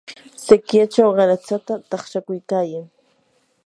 sikyachaw qaratsata taqshakuykayan.